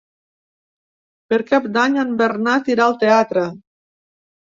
Per Cap d'Any en Bernat irà al teatre.